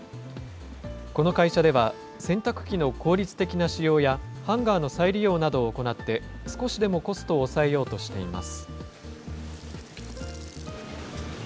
この会社では、洗濯機の効率的な使用や、ハンガーの再利用などを行って、少しでもコストを抑えようとしています。